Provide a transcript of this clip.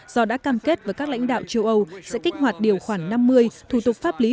do đã cam kết với các lãnh đạo châu âu sẽ kích hoạt điều khoản năm mươi thủ tục pháp lý